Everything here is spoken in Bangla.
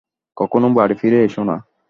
কখনো বাড়ি ফিরে এসো না।